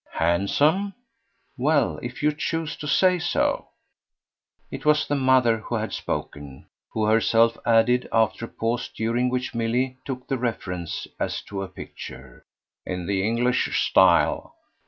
"Handsome? Well, if you choose to say so." It was the mother who had spoken, who herself added, after a pause during which Milly took the reference as to a picture: "In the English style."